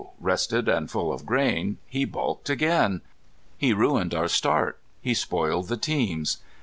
rested and full of grain, he balked again! He ruined our start. He spoiled the teams.